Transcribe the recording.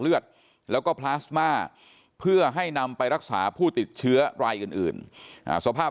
เลือดแล้วก็พลาสมาเพื่อให้นำไปรักษาผู้ติดเชื้อรายอื่นสภาพ